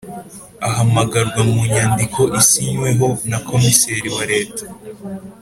ahamagarwa mu nyandiko isinyweho nakomiseri wa leta